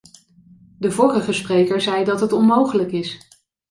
De vorige spreker zei dat het onmogelijk is.